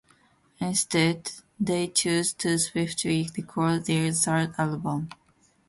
Instead, they chose to swiftly record their third album.